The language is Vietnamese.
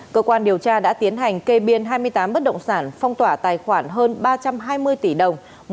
cơ quan điều tra đã tiến hành kê biên hai mươi tám bất động sản phong tỏa tài khoản hơn ba trăm hai mươi tỷ đồng